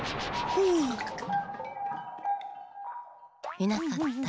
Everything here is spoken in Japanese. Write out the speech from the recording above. いなかった。